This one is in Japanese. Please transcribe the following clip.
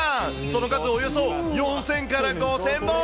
その数、およそ４０００から５０００本。